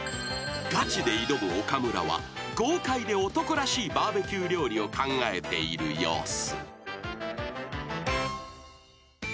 ［ガチで挑む岡村は豪快で男らしいバーベキュー料理を考えている様子］